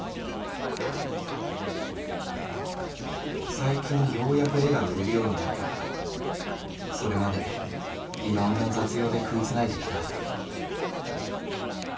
「最近ようやく絵が売れるようになったがそれまでいろんな雑用で食い繋いできた」。